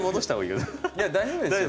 いや大丈夫ですよ。